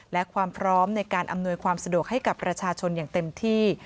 และความพร้อมในการอำนวยความสะดวกให้กับประชาชนอย่างเต็มที่